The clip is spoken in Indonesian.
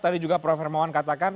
tadi juga prof hermawan katakan